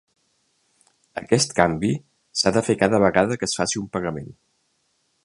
Aquest canvi s’ha de fer cada vegada que es faci un pagament.